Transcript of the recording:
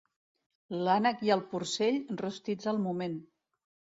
L'ànec i el porcell, rostits al moment.